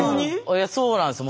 いやそうなんですよ。